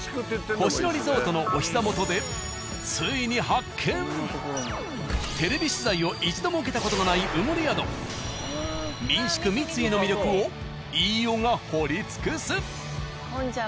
星野リゾートのお膝元でテレビ取材を一度も受けた事がない埋もれ宿民宿三井の魅力を飯尾が掘り尽くす。